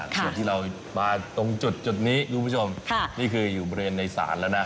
ส่วนที่เรามาตรงจุดนี้คุณผู้ชมนี่คืออยู่บริเวณในศาลแล้วนะ